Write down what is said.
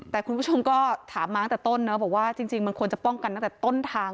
แต่คุณผู้ชมก็ถามมาตั้งแต่ต้นนะบอกว่าจริงมันควรจะป้องกันตั้งแต่ต้นทาง